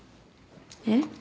えっ？